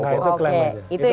gak itu klaim aja